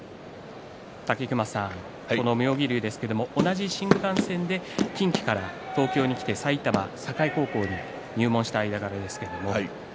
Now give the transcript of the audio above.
武隈さん、妙義龍ですが同じ新幹線の中で近畿から東京に来て埼玉栄高校に入門した間柄ですね。